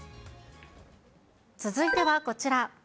続いてはこちら。